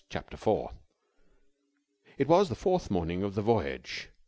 CHAPTER FOUR It was the fourth morning of the voyage.